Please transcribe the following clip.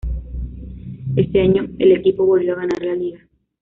Ese año el equipo volvió a ganar la Liga.